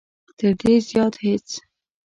تر دې زیات هېڅ.